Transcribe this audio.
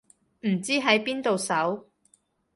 唔知喺邊度搜